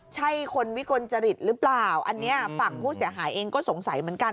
ใช่คนวิกลจริตหรือเปล่าอันนี้ฝั่งผู้เสียหายเองก็สงสัยเหมือนกัน